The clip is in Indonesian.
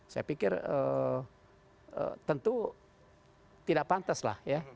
saya pikir tentu tidak pantaslah ya